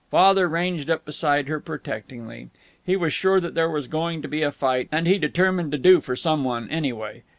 Father ranged up beside her, protectingly. He was sure there was going to be a fight, and he determined to do for some one, anyway.